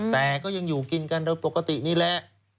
แต่ก็ยังอยู่กินกันโดยปกตินี่แหละ